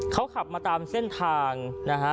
เขาขับมาตามเส้นทางนะฮะ